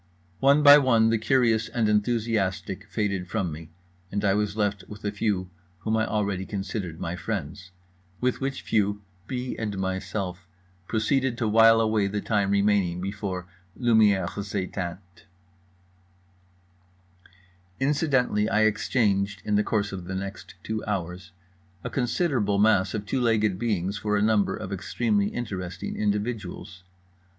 One by one the curious and enthusiastic faded from me, and I was left with the few whom I already considered my friends; with which few B. and myself proceeded to wile away the time remaining before Lumières Éteintes. Incidentally, I exchanged (in the course of the next two hours) a considerable mass of two legged beings for a number of extremely interesting individuals.